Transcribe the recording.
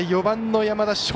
４番の山田。